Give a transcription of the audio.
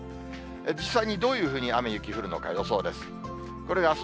実際にどういうふうに雨、雪降るのか、予想です。